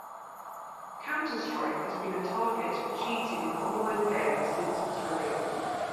"Counter-Strike" has been a target for cheating in online games since its release.